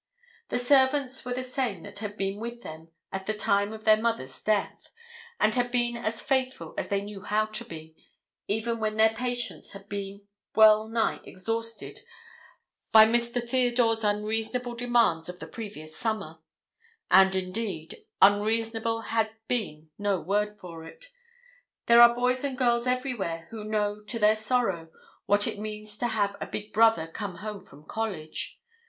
The servants were the same that had been with them at the time of their mother's death, and had been as faithful as they knew how to be, even when their patience had been well nigh exhausted by "Mr. Theodores" unreasonable demands of the previous summer; and, indeed, unreasonable had been no word for it. There are boys and girls everywhere who know, to their sorrow, what it means to have the big brother come home from college.